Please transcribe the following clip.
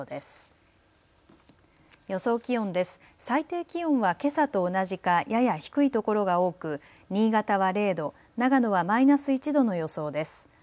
最低気温はけさと同じかやや低いところが多く新潟は０度、長野はマイナス１度の予想です。